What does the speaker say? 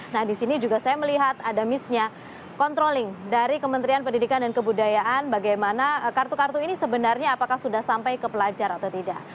nah di sini juga saya melihat ada misnya controlling dari kementerian pendidikan dan kebudayaan bagaimana kartu kartu ini sebenarnya apakah sudah sampai ke pelajar atau tidak